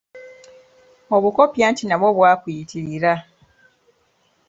Obukopi anti nabwo bwakuyitirira.